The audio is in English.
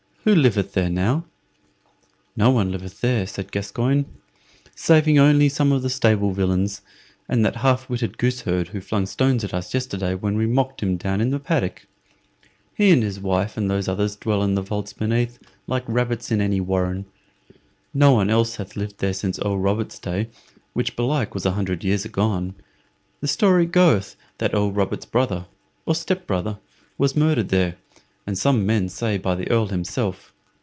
Who liveth there now?" "No one liveth there," said Gascoyne, "saving only some of the stable villains, and that half witted goose herd who flung stones at us yesterday when we mocked him down in the paddock. He and his wife and those others dwell in the vaults beneath, like rabbits in any warren. No one else hath lived there since Earl Robert's day, which belike was an hundred years agone. The story goeth that Earl Robert's brother or step brother was murdered there, and some men say by the Earl himself.